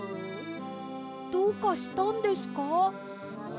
どうかしたんですか？